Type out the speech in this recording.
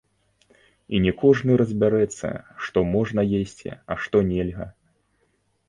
І не кожны разбярэцца, што можна есці, а што нельга.